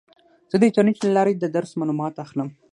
زه د انټرنیټ له لارې د درس معلومات اخلم.